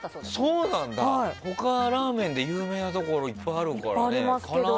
他、ラーメンで有名なところいっぱいあるから。